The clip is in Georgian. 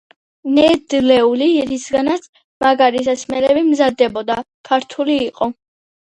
ნედლეული, რისგანაც მაგარი სასმელები მზადდებოდა, ქართული იყო.